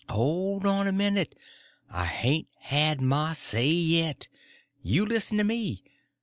"Hold on a minute; I hain't had my say yit. You listen to me.